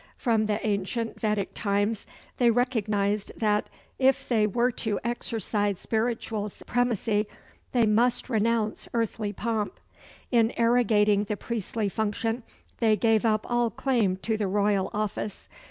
From the ancient Vedic times they recognized that if they were to exercise spiritual supremacy, they must renounce earthly pomp. In arrogating the priestly function, they gave up all claim to the royal office.